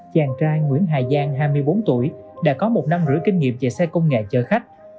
chàng trai nguyễn hà giang hai mươi bốn tuổi đã có một năm rưỡi kinh nghiệm về xe công nghệ chở khách